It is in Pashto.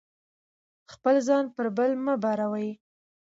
خپل ځان پر بل مه باروئ.